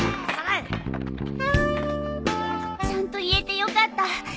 ちゃんと言えてよかった。